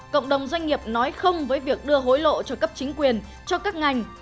cộng đồng doanh nghiệp nói không với việc đưa hối lộ cho cấp chính quyền cho các ngành